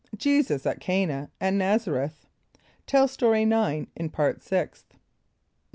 Jesus at Cana and Nazareth. (Tell Story 9 in Part Sixth.)